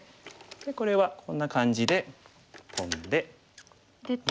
でこれはこんな感じでトンで出て。